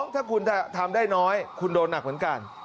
ถ้าคุณทำได้น้อยคุณโดนหนักเหมือนกัน